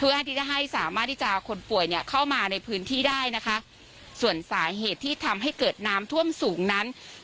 เพื่อที่จะให้สามารถทีจะคนผ่วยเนี่ยเข้ามาในพื้นที่ได้ว่า